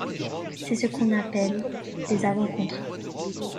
C'est ce qu'on appelle les avant-contrats.